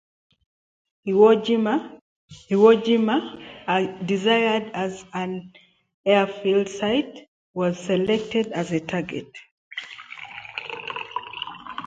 Iwo Jima, desired as an airfield site, was selected as the target.